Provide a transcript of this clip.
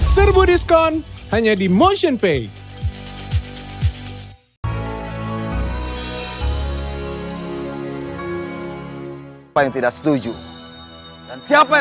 serbu diskon hanya di motionpay